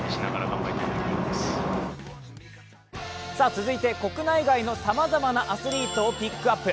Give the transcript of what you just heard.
続いて国内外のさまざまなアスリートをピックアップ。